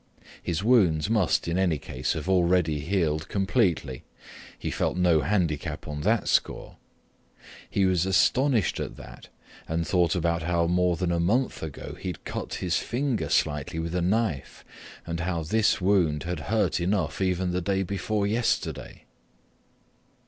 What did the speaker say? His wounds must, in any case, have already healed completely. He felt no handicap on that score. He was astonished at that and thought about how more than a month ago he had cut his finger slightly with a knife and how this wound had hurt enough even the day before yesterday.